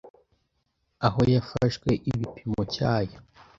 aho yafashwe ibipimo cyayo